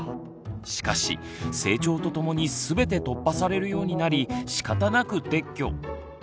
しかし成長とともに全て突破されるようになりしかたなく撤去。